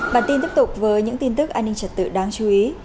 bản tin tiếp tục với những tin tức an ninh trật tự đáng chú ý